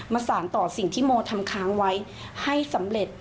สารต่อสิ่งที่โมทำค้างไว้ให้สำเร็จ